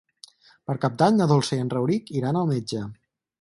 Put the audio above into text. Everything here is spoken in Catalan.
Per Cap d'Any na Dolça i en Rauric iran al metge.